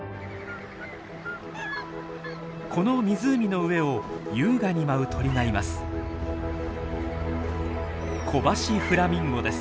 この湖の上を優雅に舞う鳥がいます。